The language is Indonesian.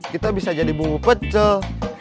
kita bisa jadi bumbu pecel